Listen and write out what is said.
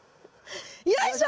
よいしょ！